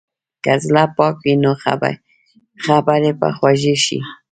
که زړه پاک وي، نو خبرې به خوږې شي.